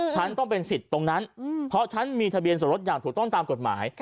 ฉันต้องเป็นสิทธิ์ตรงนั้นเพราะฉันมีทะเบียนสมรสอย่างถูกต้องตามกฎหมาย